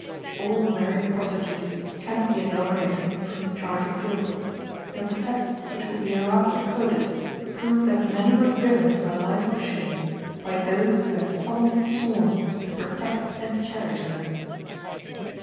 All married prostitutes can not be exonerated from the charge of guilt, yet the facts which will be hereafter quoted prove that many were driven to a life of shame by those who had solemnly sworn to protect and cherish them.